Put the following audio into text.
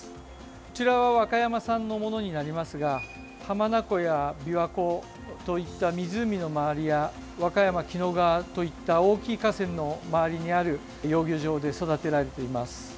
こちらは和歌山産のものになりますが浜名湖や、びわ湖といった湖の周りや和歌山・紀の川といった大きい河川の周りにある養魚場で育てられています。